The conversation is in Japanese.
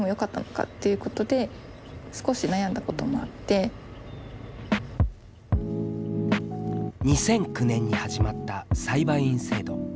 最初の通知が２００９年に始まった裁判員制度。